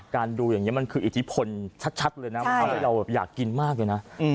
ดูอย่างนี้มันคืออิทธิพลชัดเลยนะมันทำให้เราอยากกินมากเลยนะ